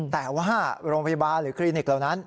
แต่ว่าโรงพยาบาลหรือคลินิกเหล่านั้น